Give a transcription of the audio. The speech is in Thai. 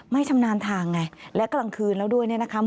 ชำนาญทางไงและกลางคืนแล้วด้วยเนี่ยนะคะ